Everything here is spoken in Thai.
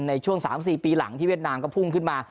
ในช่วง๓๔ปีหลังที่เวียดนามก็พุ่งขึ้นมา